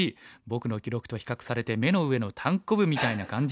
僕の記録と比較されて目の上のタンコブみたいな感じになるから。